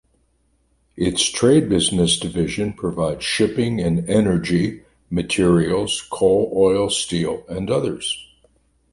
Its trade business division provides shipping and energy materials, coal, oil, steel and others.